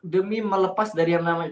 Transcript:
demi melepas dari yang namanya